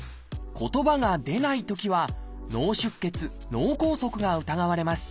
言葉が出ないときは脳出血・脳梗塞が疑われます。